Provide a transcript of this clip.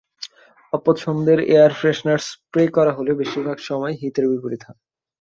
অপছন্দের air freshener spray করা হলে বেশির ভাগ সময় হিতে বিপরীত হয়।